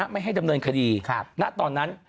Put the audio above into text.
ไม่ให้ดำเนินคดีณตอนนั้น